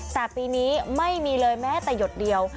แต่ปีนี้ไม่มีเลยแม้แต่หยดเดียว